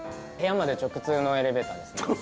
部屋まで直通のエレベーターですね。